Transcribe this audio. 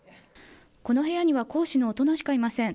この部屋には講師の大人しかいません。